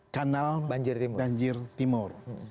kanal banjir timur